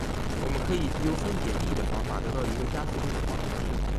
我们可以藉由分解力的方法得到一个加速度的方程式。